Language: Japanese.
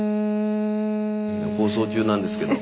放送中なんですけど。